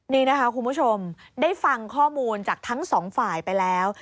นี่นะคะคุณผู้ชมได้ฟังข้อมูลจากทั้งสองฝ่ายไปแล้ว